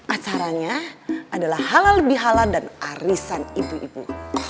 acaranya adalah halal lebih halal dan arisan ibu ibu